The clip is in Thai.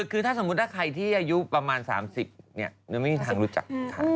คือถ้าใครที่อายุประมาณ๓๐ไม่มีทางรู้จัก